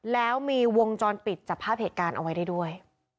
แล้วมีวงจรปิดจับภาพเหตุการณ์เอาไว้ได้ด้วย